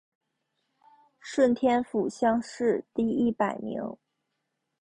顺天府乡试第一百名。